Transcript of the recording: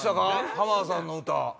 浜田さんの歌。